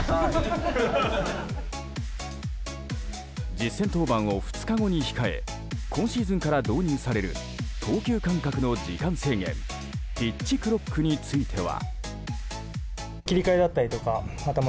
実戦登板を２日後に控え今シーズンから導入される投球間隔の時間制限ピッチクロックについては。